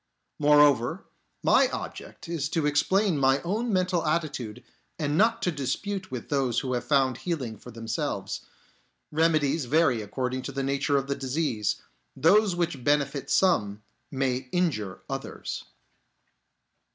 Moreover, my object is to explain HIS STUDY OF PHILOSOPHY 23 my own mental attitude and not to dispute with J those who have found healing for themselves. Remedies vary according to the nature of the disease ; those which benefit some may injure others.